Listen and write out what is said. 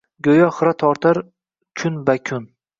Goʼyo xira tortar kun-bakun.